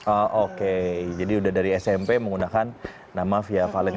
oh oke jadi udah dari smp menggunakan nama fia valet